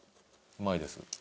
うまいです。